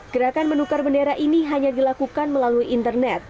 gerakan menukar bendera ini hanya dilakukan melalui internet